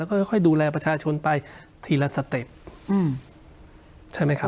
แล้วก็ค่อยดูแลประชาชนไปทีละสเต็ปใช่ไหมครับ